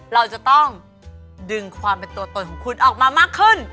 เราจะต้องดึงความเป็นตัวตนของคุณออกมามากขึ้น